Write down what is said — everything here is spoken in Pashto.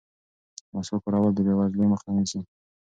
مسواک کارول د بې وزلۍ مخه نیسي.